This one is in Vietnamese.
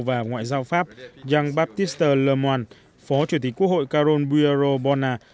và ngoại giao pháp jean baptiste lemoyne phó chủ tịch quốc hội caron buierot bonna